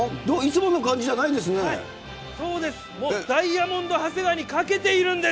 もうダイヤモンド長谷川にかけているんです。